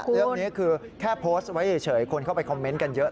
เรื่องนี้คือแค่โพสต์ไว้เฉยคนเข้าไปคอมเมนต์กันเยอะ